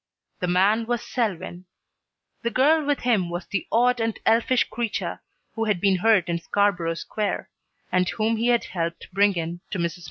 The man was Selwyn. The girl with him was the odd and elfish little creature who had been hurt in Scarborough Square and whom he had helped bring in to Mrs. Mundy.